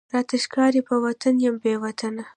راته ښکاری په وطن یم بې وطنه،